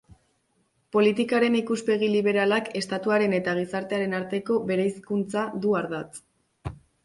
Politikaren ikuspegi liberalak Estatuaren eta gizartearen arteko bereizkuntza du ardatz.